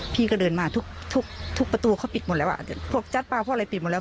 พี่ก็เดินมาทุกประตูเขาปิดหมดแล้วอะภพจัตรรพออะไรปิดหมดแล้ว